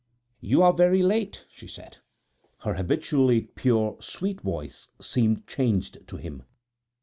"You are very late," she said. Her habitually pure, sweet voice seemed changed to him.